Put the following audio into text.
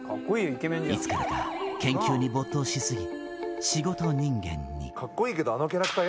いつからか研究に没頭しすぎ仕事人間に何？